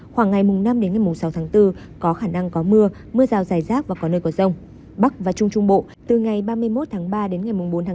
khoảng ngày mùng năm đến ngày mùng sáu tháng bốn có khả năng có mưa mưa rào dài rác và có nơi có rông